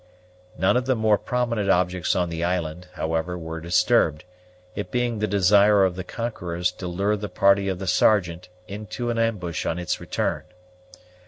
None of the more prominent objects on the island, however, were disturbed, it being the desire of the conquerors to lure the party of the Sergeant into an ambush on its return.